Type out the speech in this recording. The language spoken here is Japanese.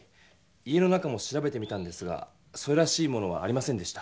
家の中も調べてみたんですがそれらしいものはありませんでした。